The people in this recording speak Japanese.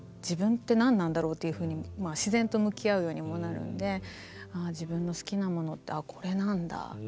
自分って何なんだろうっていうふうに自然と向き合うようにもなるんで「ああ自分の好きなものってこれなんだ。